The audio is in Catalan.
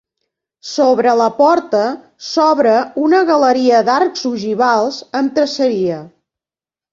Sobre la porta s'obre una galeria d'arcs ogivals amb traceria.